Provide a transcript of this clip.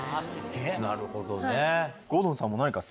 なるほどね。